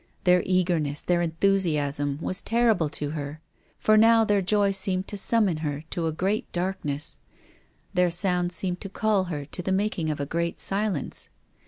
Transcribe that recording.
Their eager ness, their enthusiasm, were terrible to her. For now their joy seemed to summon her to a great darkness. Their sound seemed to call her to the making of a great silence.